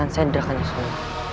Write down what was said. dan sederahkan yesunan